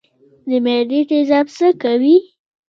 د معدې تیزاب څه کوي؟